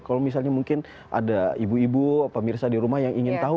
kalau misalnya mungkin ada ibu ibu pemirsa di rumah yang ingin tahu